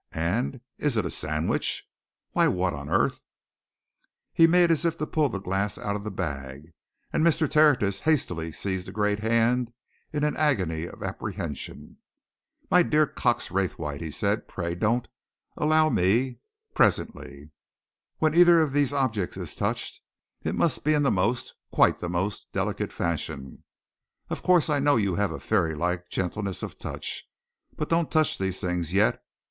And is it a sandwich? Why, what on earth " He made as if to pull the glass out of the bag, and Mr. Tertius hastily seized the great hand in an agony of apprehension. "My dear Cox Raythwaite!" he said. "Pray don't! Allow me presently. When either of these objects is touched it must be in the most, quite the most, delicate fashion. Of course, I know you have a fairy like gentleness of touch but don't touch these things yet.